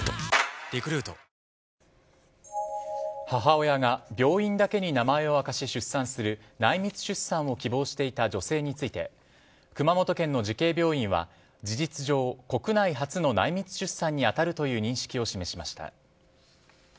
母親が病院だけに名前を明かし出産する内密出産を希望していた女性について熊本県の慈恵病院は事実上、国内初の内密出産に当たるという認識を示しました。